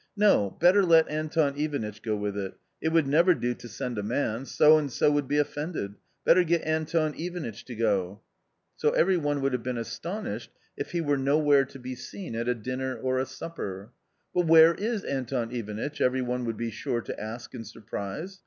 'No, better let Anton Ivanitch go with it ! It would never do to send a man ; so and so would be offended, better get Anton Ivanitch to go !" So every one would have been astonished if he were nowhere to be seen at a dinner or a supper. "But where is Anton Ivanitch ?" every one would be sure to ask in surprise.